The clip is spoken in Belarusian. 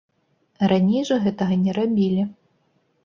Раней жа гэтага не рабілі.